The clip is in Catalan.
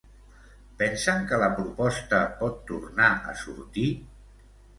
Pensen que la proposta pot tornar a sortir?